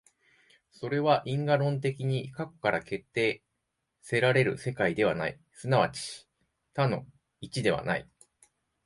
それは因果論的に過去から決定せられる世界ではない、即ち多の一ではない。